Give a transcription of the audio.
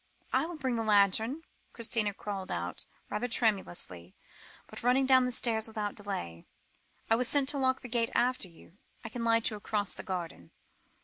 "I will bring the lantern," Christina called out, rather tremulously, but running down the stairs without delay. "I was sent to lock the gate after you; I can light you across the garden."